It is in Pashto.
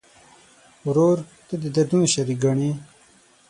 ورور ته د دردونو شریک ګڼې.